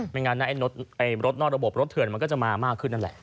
ไม่งั้นนะรถนอกระบบรถเถื่อนมันก็จะมามากขึ้นนั่นแหละ